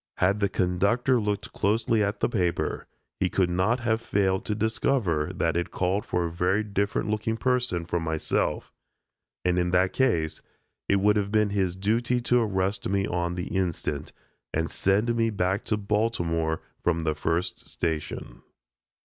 Had the conductor looked closely at the paper, he could not have failed to discover that it called for a very different looking person from myself, and in that case it would have been his duty to arrest me on the instant, and send me back to Baltimore from the first station.